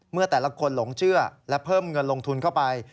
เมื่อแต่ละคนหลงเชื่อและเพิ่มเงินลงทุนเข้าไป